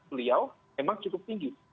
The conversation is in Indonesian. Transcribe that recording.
beliau memang cukup tinggi